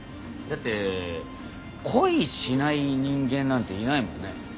だって恋しない人間なんていないもんね。